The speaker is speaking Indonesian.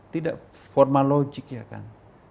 tidak formalogik ya kan